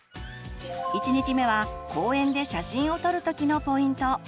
１日目は公園で写真を撮る時のポイント。